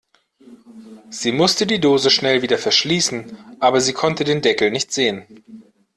Sie musste die Dose schnell wieder verschließen, aber sie konnte den Deckel nicht sehen.